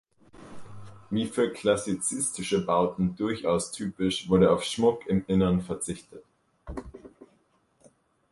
Wie für klassizistische Bauten durchaus typisch wurde auf Schmuck im Innern verzichtet.